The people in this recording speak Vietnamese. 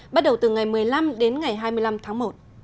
bắt đầu từ ngày một mươi năm đến ngày hai mươi năm tháng một